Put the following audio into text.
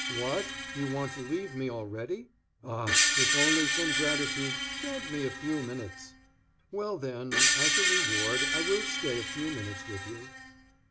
"What! You want to leave me already? Ah, if only from gratitude, grant me a few minutes." "Well, then, as a reward, I will stay a few minutes with you."